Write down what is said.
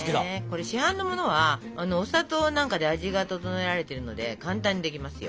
これ市販のものはお砂糖なんかで味が調えられてるので簡単にできますよ。